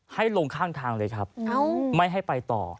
ให้ลงข้างทางเลยครับไม่ให้ไปต่อ